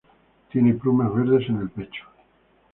Tiene plumas verdes en el pecho.